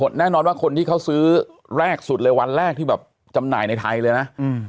แน่นอนว่าคนที่เขาซื้อแรกสุดเลยวันแรกที่แบบจำหน่ายในไทยเลยนะ